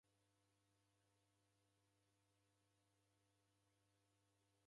Aboo wadasingilwa ni chofi.